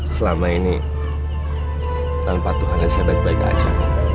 selama ini tanpa tuhan yang saya baik baik aja